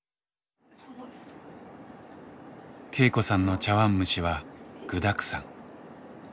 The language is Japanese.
恵子さんの茶わん蒸しは具だくさん。